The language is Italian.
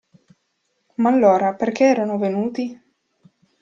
Ma allora perché erano venuti?